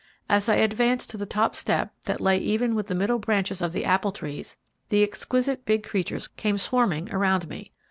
As I advanced to the top step, that lay even with the middle branches of the apple trees, the exquisite big creatures came swarming around me.